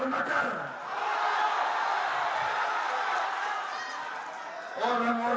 saya akan berhubung dengan makar makar